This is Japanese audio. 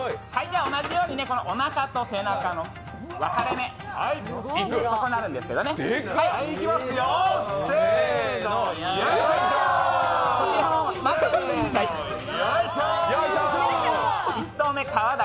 じゃ、同じようにおなかと背中の分かれ目、ここになるんですけどねいきますよ、せーの、よいしょー！